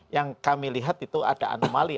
yang kami lihat itu ada anomali